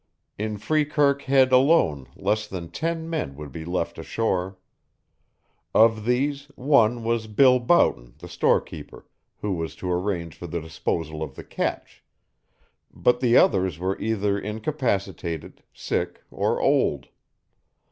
In Freekirk Head alone less than ten men would be left ashore. Of these, one was Bill Boughton, the storekeeper, who was to arrange for the disposal of the catch; but the others were either incapacitated, sick, or old.